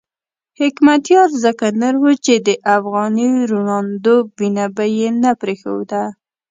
حکمتیار ځکه نر وو چې د افغاني روڼاندو وینه به یې نه پرېښوده.